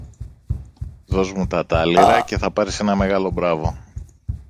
Δωσ' μου τα τάλιρα και θα πάρεις ένα μεγάλο μπράβο.